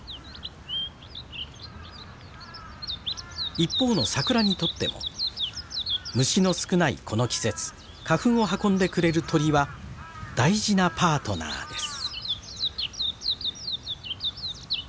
一方の桜にとっても虫の少ないこの季節花粉を運んでくれる鳥は大事なパートナーです。